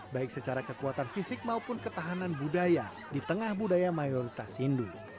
baik secara kekuatan fisik maupun ketahanan budaya di tengah budaya mayoritas hindu